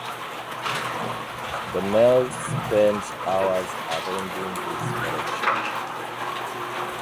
The males spend hours arranging this collection.